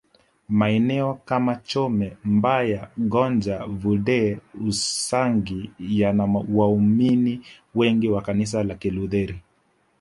Maeneo kama Chome Mbaga Gonja Vudee Usangi yana waumini wengi wa Kanisa la Kilutheri